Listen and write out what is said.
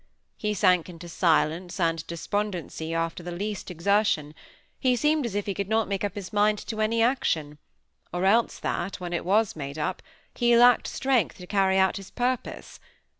He sank into silence and despondency after the least exertion; he seemed as if he could not make up his mind to any action, or else that, when it was made up, he lacked strength to carry out his purpose.